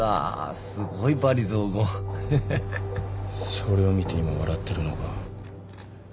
それを見て今笑ってるのか。